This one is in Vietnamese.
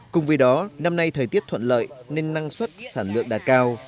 cùng với đó năm nay thời tiết thuận lợi nên năng suất sản lượng đạt cao